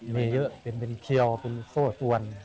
มีเยอะเป็นเขียวเป็นโซ่ตวน